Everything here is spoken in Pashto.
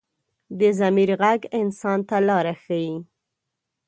د ضمیر غږ انسان ته لاره ښيي